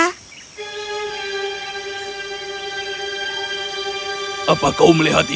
kau drowsing sekali